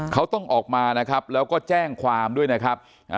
เขาต้องออกมานะครับแล้วก็แจ้งความด้วยนะครับ